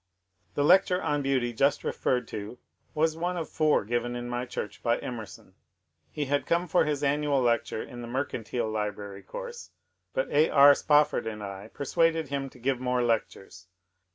The lecture on Beauty just referred to was one of four given in my church by Emerson. He had come for his annual lecture in the Mercantile Library course, but A. R. Spofford and I persuaded him to give more lectures.